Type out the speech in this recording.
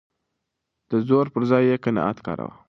د زور پر ځای يې قناعت کاراوه.